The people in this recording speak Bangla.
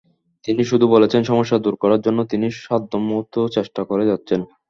তিনি শুধু বলেছেন, সমস্যা দূর করার জন্য তিনি সাধ্যমতো চেষ্টা করে যাচ্ছেন।